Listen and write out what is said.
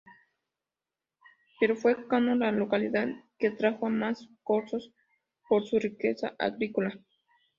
Pero fue Yauco la localidad que atrajo a más corsos, por su riqueza agrícola.